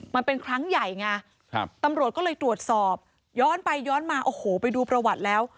มันเป็นครั้งใหญ่ไงตำรวจก็เลยตรวจสอบย้อนไปย้อนมาโอ้โหไปดูประวัติแล้ว